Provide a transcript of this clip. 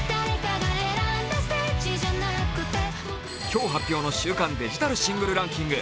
今日発表の週間デジタルシングルランキング。